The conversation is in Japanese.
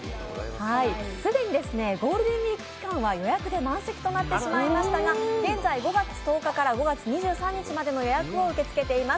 既にゴールデンウイーク期間は予約で満席となってしまいましたが現在５月１０日から５月２３日までの予約を受け付けています。